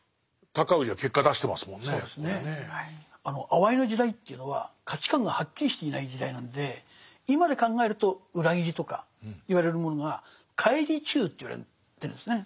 あわいの時代というのは価値観がはっきりしていない時代なんで今で考えると裏切りとか言われるものが「返り忠」と言われてるんですね。